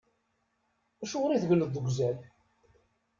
Acuɣeṛ i tegneḍ deg uzal?